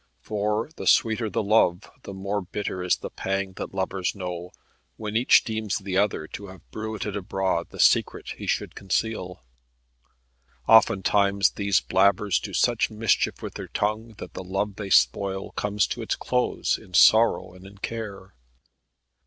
For the sweeter the love, the more bitter is the pang that lovers know, when each deems the other to have bruited abroad the secret he should conceal. Oftentimes these blabbers do such mischief with their tongue, that the love they spoil comes to its close in sorrow and in care.